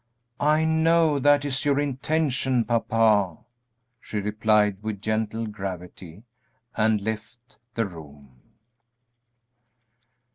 "I know that is your intention, papa," she replied, with gentle gravity, and left the room.